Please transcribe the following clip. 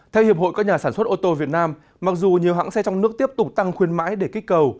theo hiệp hội các nhà sản xuất ô tô việt nam mặc dù nhiều hãng xe trong nước tiếp tục tăng khuyên mãi để kích cầu